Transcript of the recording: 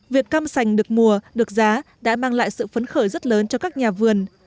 việc cam sành được mùa được giá đã mang lại sự phấn khởi rất lớn cho các nhà vườn